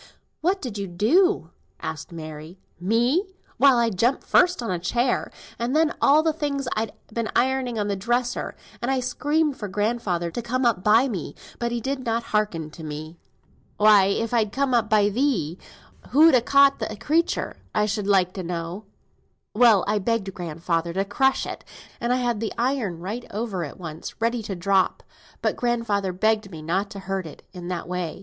"What did you do?" asked Mary. "Me! why, I jumped first on a chair, and then on all the things I'd been ironing on the dresser, and I screamed for grandfather to come up by me, but he did not hearken to me." "Why, if I'd come up by thee, who'd ha' caught the creature, I should like to know?" "Well, I begged grandfather to crush it, and I had the iron right over it once, ready to drop, but grandfather begged me not to hurt it in that way.